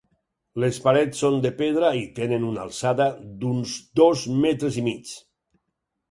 Les parets són de pedra i tenen una alçada d'uns dos metres i mig.